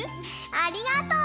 ありがとう！